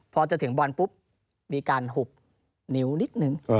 พอจะถึงบอลปุ๊บมีการหุบนิ้วนิดนึง